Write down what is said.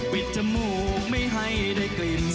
จมูกไม่ให้ได้กลิ่น